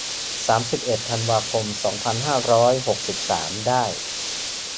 สามสิบเอ็ด ธันวาคม สองพันห้าร้อยหกสิบสาม ได้